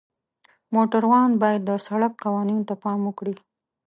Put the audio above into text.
موټروان باید د سړک قوانینو ته پام وکړي.